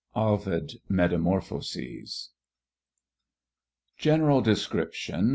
OVID, Metamorphoses. GENERAL DESCRIPTION.